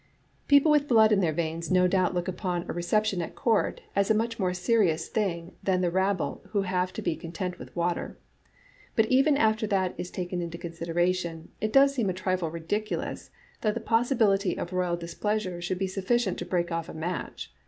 " People with blood in their veins no doubt look upon a reception at Court as a much more serious thing than the rabble, who have to be content with water; but even after that is taken into consideration, it does seem a trifle ridiculous that the possibility of Toya,\ displeasure should be sufficient to break off a match.